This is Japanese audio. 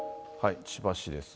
千葉市ですが。